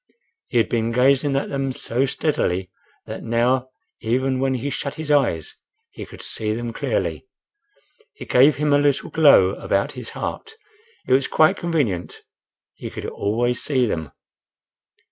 He had been gazing at them so steadily that now even when he shut his eyes he could see them clearly. It gave him a little glow about his heart;—it was quite convenient: he could always see them.